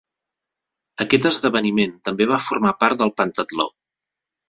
Aquest esdeveniment també va formar part del pentatló.